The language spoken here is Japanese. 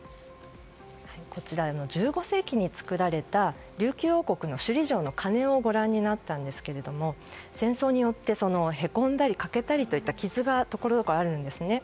こちら１５世紀に造られた琉球王国の首里城の鐘をご覧になったんですが戦争によってへこんだり欠けたりといった傷がところどころあるんですね。